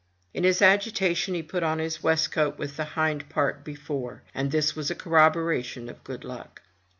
In his agitation he put on his waistcoat with the hind part before, and this was a corroboration of good luck.